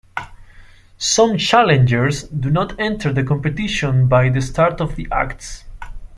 Some challengers do not enter the competition by the start of the acts.